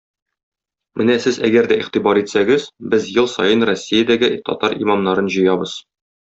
Менә сез әгәр дә игътибар итсәгез, без ел саен Россиядәге татар имамнарын җыябыз.